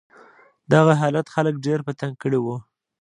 دغه حالت خلک ډېر په تنګ کړي و.